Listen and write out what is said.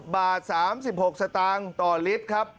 บาท๓๖สตางค์ต่อลิตรครับ